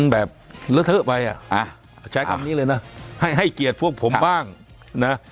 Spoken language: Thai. แบบเลอะเทอะไปอ่ะใช้คำนี้เลยนะให้ให้เกียรติพวกผมบ้างนะ